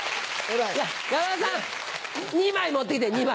山田さん２枚持って来て２枚。